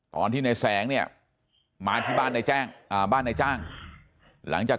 ตอนที่ในแสงเนี่ยมาที่บ้านในแจ้งอ่าบ้านนายจ้างหลังจาก